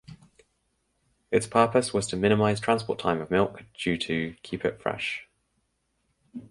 Its purpose was to minimize transport time of milk due to keep it fresh.